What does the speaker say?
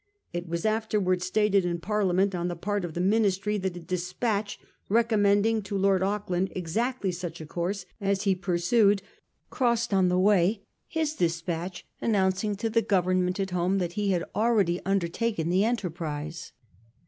It was afterwards stated in Parliament on the part of the Ministry that a despatch recommending to Lord Auckland exactly such a course as he pursued crossed on the way his despatch announcing to the Government at home that he had already undertaken the enterprise.